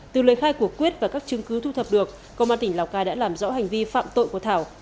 từ lời khai của quyết và các chứng cứ thu thập được công an tỉnh lào cai đã làm rõ hành vi phạm tội của thảo